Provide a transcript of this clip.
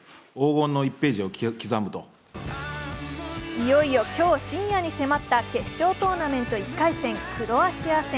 いよいよ今日深夜に迫った決勝トーナメント１回戦クロアチア戦。